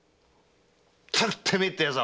ったくてめえって奴は。